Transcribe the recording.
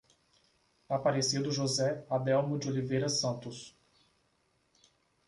Aparecido José Adelmo de Oliveira Santos